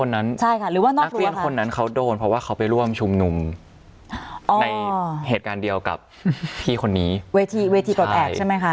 หรือว่าน้องนักเรียนคนนั้นเขาโดนเพราะว่าเขาไปร่วมชุมนุมในเหตุการณ์เดียวกับพี่คนนี้เวทีเวทีปลดแอบใช่ไหมคะ